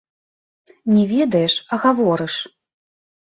Не ведаеш, а гаворыш.